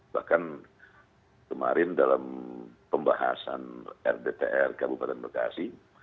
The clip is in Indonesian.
bahkan kemarin dalam pembahasan rdtr kabupaten bekasi